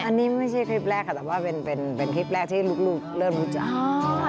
อันนี้ไม่ใช่คลิปแรกค่ะแต่ว่าเป็นคลิปแรกที่ลูกเริ่มรู้จัก